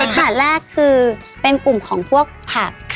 ถาดแรกคือเป็นกลุ่มของพวกผัก